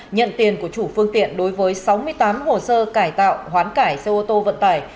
nhận tiền của chủ phương tiện đối với sáu mươi tám hồ sơ cải tạo hoán cải xe ô tô vận tải